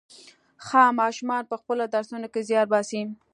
ښه ماشومان په خپلو درسونو کې زيار باسي.